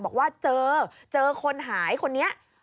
บอกว่าเจอเจอคนหายคนนี้